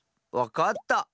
わかった。